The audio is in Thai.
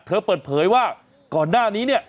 เปิดเผยว่าก่อนหน้านี้เนี่ย